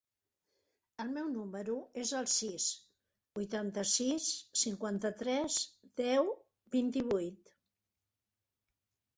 El meu número es el sis, vuitanta-sis, cinquanta-tres, deu, vint-i-vuit.